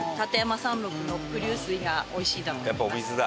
やっぱお水だ。